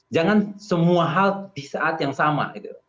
jangan semua hal di saat yang sama